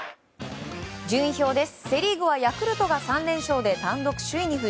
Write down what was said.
順位表です。